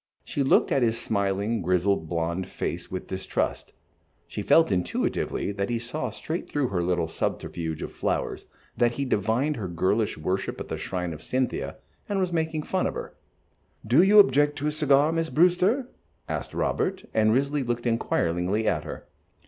She looked at his smiling, grizzled, blond face with distrust. She felt intuitively that he saw straight through her little subterfuge of the flowers, that he divined her girlish worship at the shrine of Cynthia, and was making fun of her. "Do you object to a cigar, Miss Brewster?" asked Robert, and Risley looked inquiringly at her.